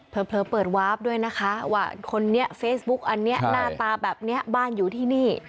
เผลอเปิดวาร์ฟด้วยนะคะว่าคนนี้เฟซบุ๊กอันนี้หน้าตาแบบนี้บ้านอยู่ที่นี่